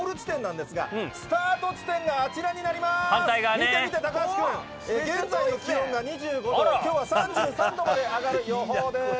見て見て、高橋君。現在の気温が２５度、きょうは３３度まで上がる予報です。